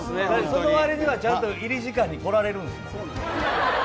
その割には、ちゃんと入り時間にこられるんです。